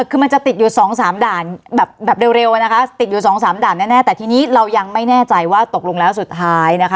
คือมันจะติดอยู่สองสามด่านแบบเร็วอะนะคะติดอยู่สองสามด่านแน่แต่ทีนี้เรายังไม่แน่ใจว่าตกลงแล้วสุดท้ายนะคะ